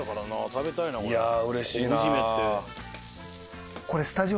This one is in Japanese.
いやうれしいな。